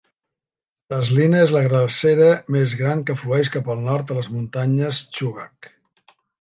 Tazlina és la glacera més gran que flueix cap al nord a les muntanyes Chugach.